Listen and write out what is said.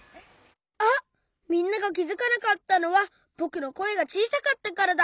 あっみんながきづかなかったのはぼくのこえがちいさかったからだ。